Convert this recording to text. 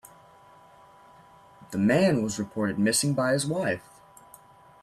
The man was reported missing by his wife.